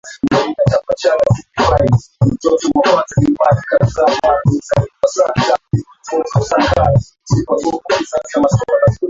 Kijana amekaa chini